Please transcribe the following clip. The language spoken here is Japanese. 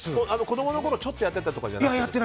子供のころ、ちょっとやってたとかじゃなくて？